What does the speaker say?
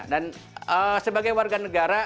dan sebagai warga negara